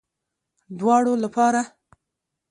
دواړو لپاره